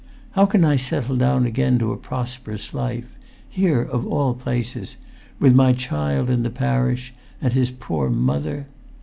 How can I settle down again to a prosperous life—here of all places—with my child in the parish, and his poor mother